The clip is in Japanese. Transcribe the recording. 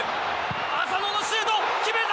浅野のシュート、決めた。